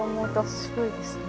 すごいですね。